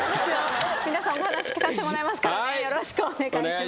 皆さんお話聞かせてもらいますからよろしくお願いします。